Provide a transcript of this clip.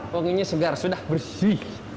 pengennya segar sudah bersih